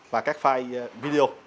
và các file video